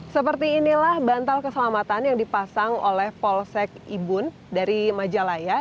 seperti inilah bantal keselamatan yang dipasang oleh polsek ibun dari majalaya